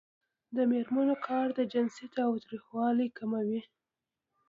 د میرمنو کار د جنسي تاوتریخوالي کموي.